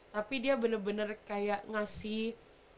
tapi dia bener bener kayak ngasih